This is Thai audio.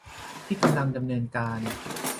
ที่กำลังดำเนินการ